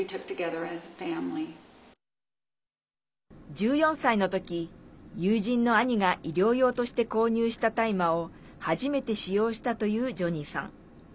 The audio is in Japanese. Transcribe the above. １４歳の時、友人の兄が医療用として購入した大麻を初めて使用したというジョニーさん。